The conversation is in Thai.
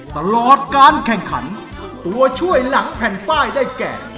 ตลอดการแข่งขันตัวช่วยหลังแผ่นป้ายได้แก่